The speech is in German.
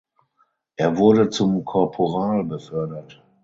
Er wurde zum Korporal befördert.